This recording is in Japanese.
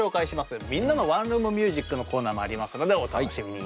「みんなのワンルーム☆ミュージック」のコーナーもありますのでお楽しみに。